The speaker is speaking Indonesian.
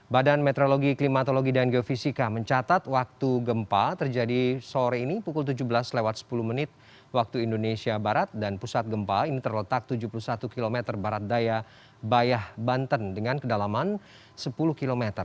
badan meteorologi klimatologi dan geofisika mencatat waktu gempa terjadi sore ini pukul tujuh belas lewat sepuluh menit waktu indonesia barat dan pusat gempa ini terletak tujuh puluh satu km barat daya bayah banten dengan kedalaman sepuluh km